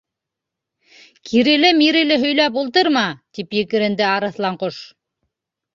—Киреле-миреле һөйләп ултырма! —тип екеренде Арыҫ- ланҡош.